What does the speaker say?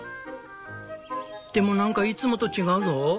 でもなんかいつもと違うぞ。